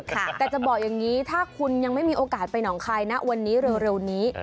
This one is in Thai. แต่จะบอกอย่างนี้ถ้าคุณยังไม่มีโอกาสไปหนองคายนะวันนี้เร็วนี้